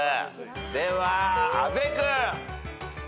では阿部君。